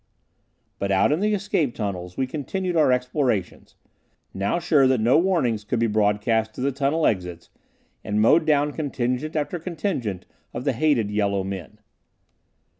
But out in the escape tunnels, we continued our explorations, now sure that no warnings could be broadcast to the tunnel exits, and mowed down contingent after contingent of the hated yellow men.